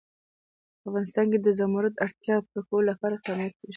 په افغانستان کې د زمرد د اړتیاوو پوره کولو لپاره اقدامات کېږي.